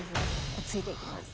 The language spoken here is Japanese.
突いていきます。